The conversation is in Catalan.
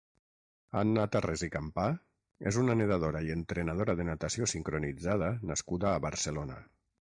Anna Tarrés i Campà és una nedadora i entrenadora de natació sincronitzada nascuda a Barcelona.